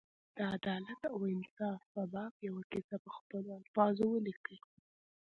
د عدالت او انصاف په باب یوه کیسه په خپلو الفاظو ولیکي.